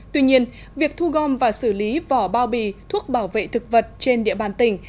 tuy nhiên việc thu gom và xử lý vỏ bao bì thuốc bảo vệ thực vật trên địa bàn tỉnh